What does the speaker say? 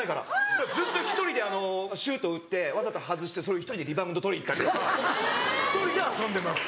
だからずっと１人でシュート打ってわざと外してそれを１人でリバウンド取りにいったりとか１人で遊んでます。